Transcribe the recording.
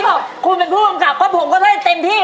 ทำไมนะครับผมจะเป็นผู้กลางกลางความห่วงเข้าได้เต็มที่